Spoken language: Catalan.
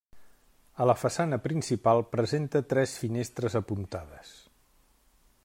A la façana principal presenta tres finestres apuntades.